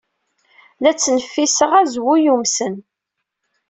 La ttneffiseɣ azwu yumsen.